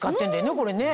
これね。